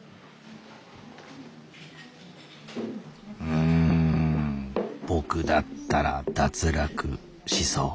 うん僕だったら脱落しそう。